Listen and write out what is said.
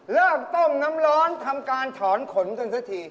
เริ่มต้มน้ำร้อนทำการถอนขนกันสักที